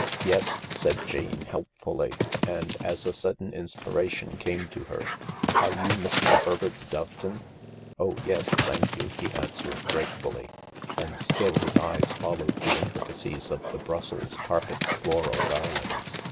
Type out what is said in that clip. " Yes," said Jane helpfully, and, as a sudden inspira tion came to her, " Are you Mr. Herbert Doveton ?" "Oh yes, thank you," he answered gratefully, and still his eyes followed the intricacies, of the Brussels carpet's floral garlands.